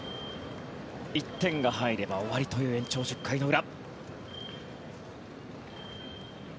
１点が入れば終わりという延長１０回の裏。